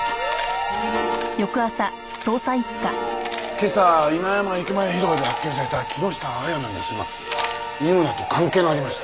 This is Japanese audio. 今朝稲山駅前広場で発見された木下亜矢なんですが井村と関係がありました。